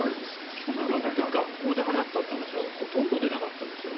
去年学校ではやったという話はほとんど出なかったですよね。